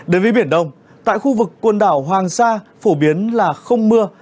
đến với biển đông tại khu vực quần đảo hoàng sa phổ biến là không mưa